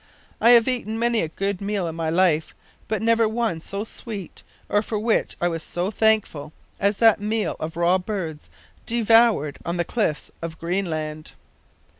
I have eaten many a good meal in my life, but never one so sweet, or for which I was so thankful, as that meal of raw birds, devoured on the cliffs of Greenland!